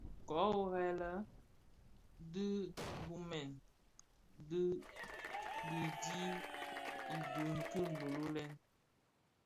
Köö worrè lè, di bubmèn din didhi idun ki lölölen.